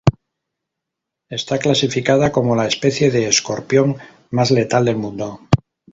Está clasificada como la especie de escorpión más letal del mundo.